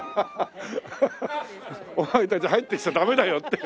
お前たち入ってきちゃダメだよって。